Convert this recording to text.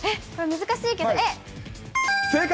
難しいけど、正解。